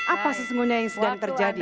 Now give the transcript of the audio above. apa sesungguhnya yang sedang terjadi